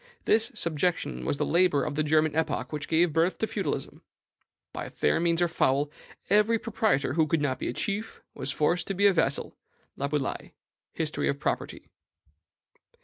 This subjection was the labor of the German epoch which gave birth to feudalism. By fair means or foul, every proprietor who could not be a chief was forced to be a vassal." (Laboulaye: History of Property.)